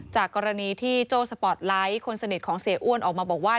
จากกรณีที่โจ้สปอร์ตไลท์คนสนิทของเสียอ้วนออกมาบอกว่า